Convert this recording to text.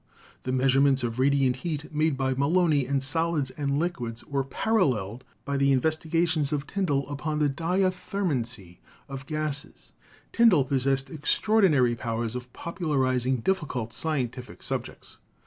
The measurements of radiant heat made by Melloni in solids and liquids were paralleled by the investigations of Tyndall upon the diathermancy of gases. Tyndall pos sessed extraordinary powers of popularizing difficult scien tific subjects.